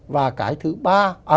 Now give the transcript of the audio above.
và cái thứ ba